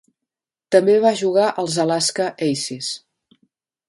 També va jugar als Alaska Aces.